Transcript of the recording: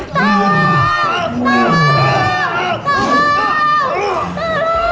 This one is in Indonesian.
bagaimanapun tidak berguna ya